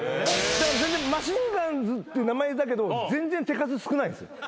マシンガンズっていう名前だけど全然手数少ないです。